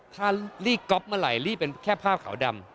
ถ้าลีดก๊อปเมื่อไหรี่เป็นแค่ผ้าขาวดำ